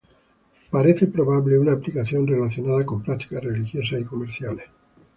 Parece probable una aplicación relacionada con prácticas religiosas y comerciales.